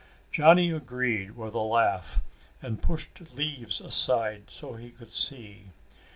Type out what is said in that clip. Johnny agreed with a laugh, and pushed leaves aside so he could see.